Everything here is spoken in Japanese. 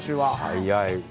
早い。